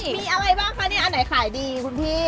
มีอะไรบ้างคะเนี่ยอันไหนขายดีคุณพี่